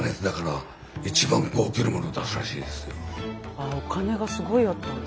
あお金がすごいあったんだ。